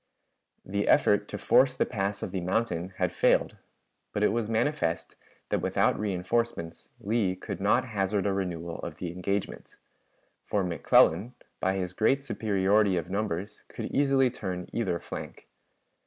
The effort to force the pass of the mountain had failed, but it was manifest that without reënforcements Lee could not hazard a renewal of the engagement; for McClellan, by his great superiority of numbers, could easily turn either flank.